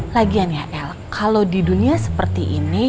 lagian ya el kalau di dunia seperti ini